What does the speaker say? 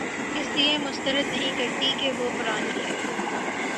اس لیے مسترد نہیں کرتی کہ وہ پرانی ہے